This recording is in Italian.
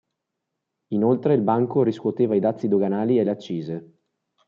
Inoltre il Banco riscuoteva i dazi doganali e le accise.